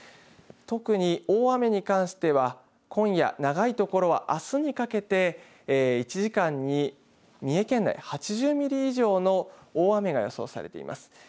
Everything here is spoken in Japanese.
特に大雨に関しては今夜長いところはあすにかけて１時間に三重県内８０ミリ以上の大雨が予想されています。